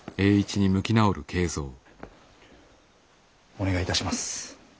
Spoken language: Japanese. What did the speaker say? お願いいたします。